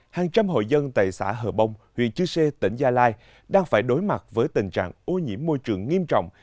hàng trăm hội dân tại xã hờ bông huyện chư sê tỉnh gia lai đang phải đối mặt với tình trạng ô nhiễm môi trường nghiêm trọng